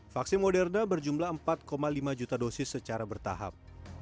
vaksin moderna berjumlah empat lima juta dosis secara bertahap